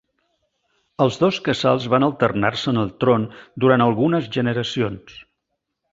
Els dos casals van alternar-se en el tron durant algunes generacions.